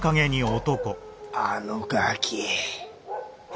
あのガキ！